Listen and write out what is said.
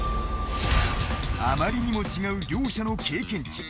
あまりにも違う両者の経験値。